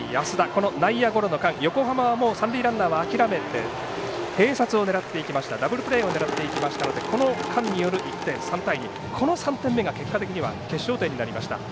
この内野ゴロの間横浜はもう三塁ランナーは諦めてダブルプレーを狙っていきましたのでこの間による１点３対２、この３点目が結果的には決勝点になりました。